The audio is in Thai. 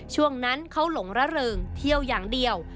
ช่วงนั้นเขาหลงระเริงเที่ยวอย่างเดียว